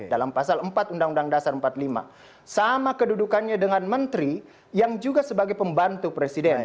dalam pasal empat undang undang dasar empat puluh lima